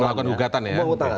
melakukan ugatan ya